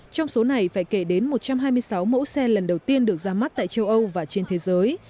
trong số này phải kể đến một trăm hai mươi sáu mẫu xe lần đầu tiên được ra mắt tại châu âu và trên thế giới